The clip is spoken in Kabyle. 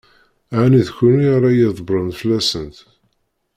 Ɛni d kenwi ara ydebbṛen fell-asent?